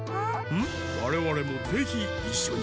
われわれもぜひいっしょに。